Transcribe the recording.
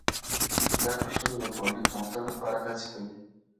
زده کړه ښځه د کورنۍ پرمختګ لپاره هڅې کوي